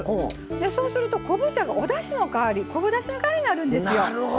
そうすると昆布茶がおだしの代わり昆布だしの代わりになるんですよ。